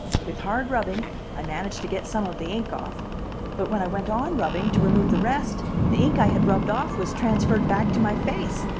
"With hard rubbing, I managed to get some of the ink off, but when I went on rubbing, to remove the rest, the ink I had rubbed off was transferred back to my face.